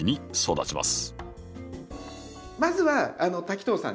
まずは滝藤さん